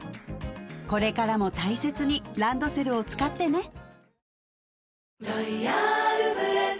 これからも大切にランドセルを使ってね